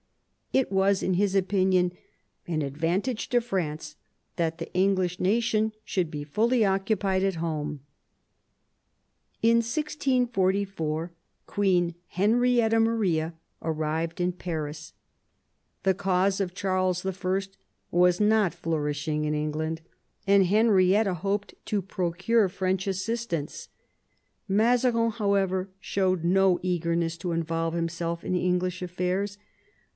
It was in his opinion an advantage to France that the English nation should be fully occupied at home. In 1644 Queen Henrietta Maria arrived in Paris. The cause of Charles I. was not flourishing in England, and Henrietta hoped to procure French assistance. Mazarin, however, showed no eagerness to involve him self in English affairs.